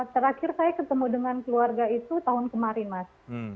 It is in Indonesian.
terakhir saya ketemu dengan keluarga itu tahun kemarin mas